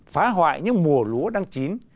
phá hoại những mùa lúa đang chín